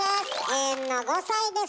永遠の５さいです。